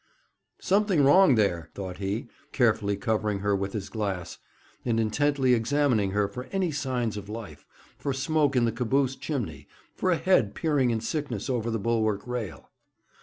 'Something wrong there,' thought he, carefully covering her with his glass, and intently examining her for any signs of life, for smoke in the caboose chimney, for a head peering in sickness over the bulwark rail.